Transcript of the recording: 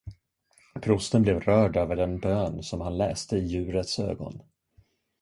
Prosten blev rörd över den bön, som han läste i djurets ögon.